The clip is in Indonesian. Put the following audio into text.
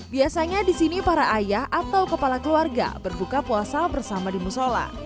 biasanya di sini para ayah atau kepala keluarga berbuka puasa bersama di musola